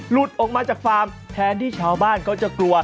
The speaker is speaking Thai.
หลุดออกมาจากฟาร์มแทนที่ชาวบ้านเขาจะกลัว